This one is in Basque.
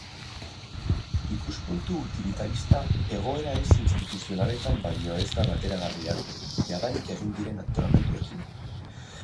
Ikuspuntu utilitarista egoera ez-instituzionaletan baino ez da bateragarria jadanik egin diren antolamenduekin.